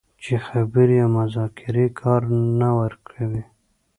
چې خبرې او مذاکرې کار نه ورکوي